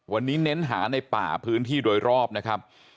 วันนี้เน้นหาในป่าพื้นที่โดยรอบนะครับ